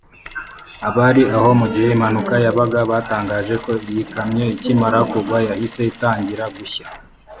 Abari aho mu gihe impanuka yabaga batangaje ko iyi kamyo ikimara kugwa yahise itangira gushya